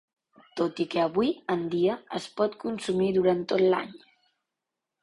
Tot i que avui en dia es pot consumir durant tot l'any.